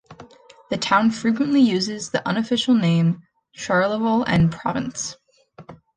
The town frequently uses the unofficial name Charleval-en-Provence.